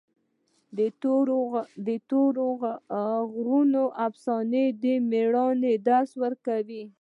د تورې غرونو افسانه د مېړانې درس ورکوي.